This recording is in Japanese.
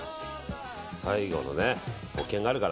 最後のね、保険があるから。